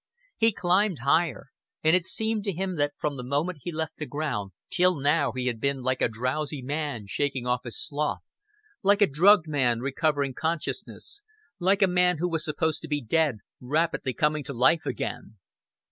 He climbed higher; and it seemed to him that from the moment he left the ground till now he had been like a drowsy man shaking off his sloth, like a drugged man recovering consciousness, like a man who was supposed to be dead rapidly coming to life again.